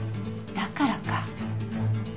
だからか。